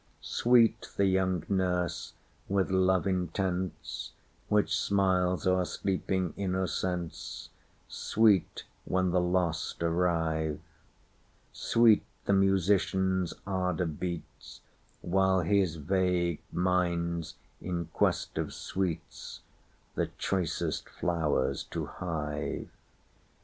Sweet the young nurse, with love intense, Which smiles o'er sleeping innocence; Sweet when the lost arrive:Sweet the musician's ardour beats, While his vague mind's in quest of sweetsThe choicest flowers to hive.